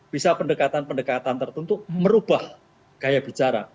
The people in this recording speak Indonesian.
bisa pendekatan pendekatan tertentu merubah gaya bicara